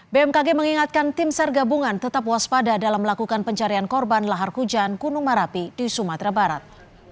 bmkg mengingatkan tim sar gabungan tetap waspada dalam melakukan pencarian korban lahar hujan gunung merapi di sumatera barat